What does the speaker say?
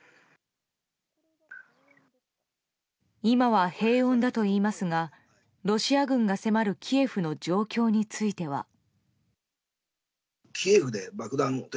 今は平穏だといいますがロシア軍が迫るキエフの状況については。